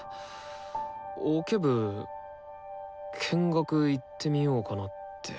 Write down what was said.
オケ部見学行ってみようかなって。